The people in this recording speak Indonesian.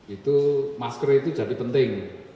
itu masker itu jadi penting